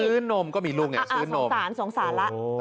ซื้อนมก็มีลูกไงซื้อนมอ่าอ่าสงสารสงสารแล้วโอ้โห